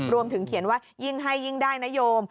รวมถึงเขียนว่ายิ่งให้ยิ่งได้นโยม